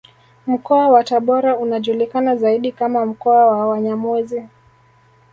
Mkoa wa Tabora unajulikana zaidi kama mkoa wa Wanyamwezi